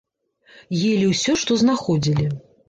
Елі ўсё, што знаходзілі.